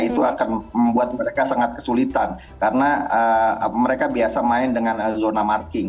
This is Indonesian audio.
itu akan membuat mereka sangat kesulitan karena mereka biasa main dengan zona marking